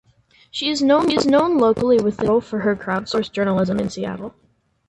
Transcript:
She is known locally within Seattle for her crowdsourced journalism in Seattle.